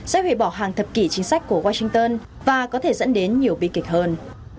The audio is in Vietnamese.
sẽ hủy bỏ hàng thập kỷ chính sách của washington và có thể dẫn đến nhiều bi kịch hơn